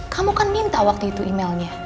kamu kan minta waktu itu emailnya